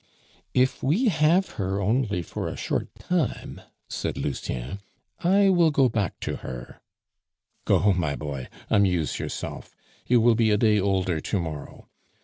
"If we have her only for a short time," said Lucien, "I will go back to her " "Go, my boy, amuse yourself. You will be a day older to morrow.